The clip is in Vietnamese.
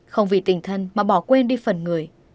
không vì tình thân mà bỏ quên đi phần người